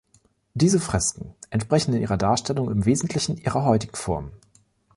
Diese Fresken entsprechen in ihrer Darstellung im Wesentlichen ihrer heutigen Form.